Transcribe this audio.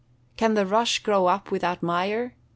[Verse: "Can the rush grow up without mire?